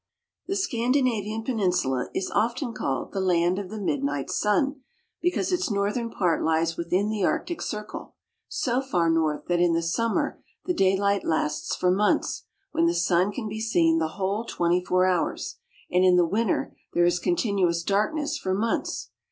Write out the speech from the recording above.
THE Scandinavian Peninsula is often called the "Land of the Midnight Sun " because its northern part lies within the Arctic Circle, so far north that in the sum mer the daylight lasts for months, when the sun can be seen the whole twenty four hours, and in the winter there is continuous darkness for months.